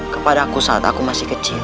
kepada aku saat aku masih kecil